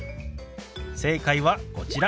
正解はこちら。